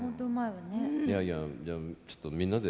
いやいやじゃあちょっとみんなで。